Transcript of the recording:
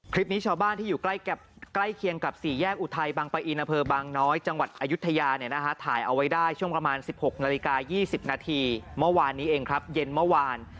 คลิปนี้ชาวบ้านที่อยู่ใกล้เคียงกับสี่แยกอุทัยบางปะอินอำเภอบางน้อยจังหวัดอายุทยาเนี่ยนะฮะถ่ายเอาไว้ได้ช่วงประมาณ๑๖นาฬิกา๒๐นาทีเมื่อวานนี้เองครับเย็นเมื่อวาน